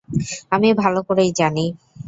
আমি ভালো করেই জানি।